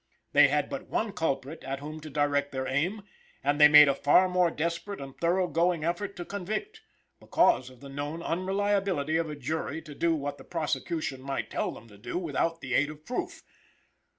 They had but one culprit at whom to direct their aim, and they made a far more desperate and thorough going effort to convict, because of the known unreliability of a jury to do what the prosecution might tell them to do without the aid of proof.